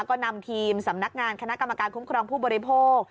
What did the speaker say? ก็นำทีมสำนักงานคณะกรรมการคุ้มครองผู้บริโภค